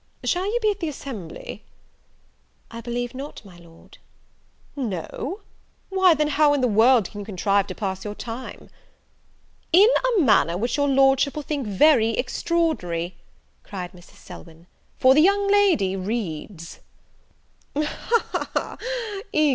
Shall you be at the assembly?" "I believe not, my Lord." "No! why then, how in the world can you contrive to pass your time?" "In a manner which your Lordship will think very extraordinary," cried Mrs. Selwyn, "for the young lady reads." "Ha, ha, ha!